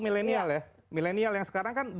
millennial ya millennial yang sekarang kan